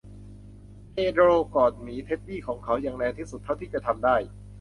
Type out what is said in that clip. เพโดรกอดหมีเท็ดดี้ของเขาอย่างแรงที่สุดเท่าที่จะทำได้